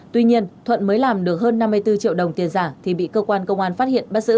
tuy nhiên thuận mới làm được hơn năm mươi bốn triệu đồng tiền giả thì bị cơ quan công an phát hiện bắt giữ